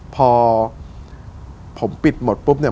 พอผมปิดหมดปุ๊บเนี่ย